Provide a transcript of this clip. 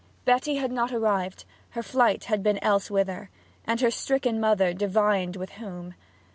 Betty had not arrived; her flight had been elsewhither; and her stricken mother divined with whom.